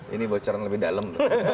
ini bocoran lebih dalam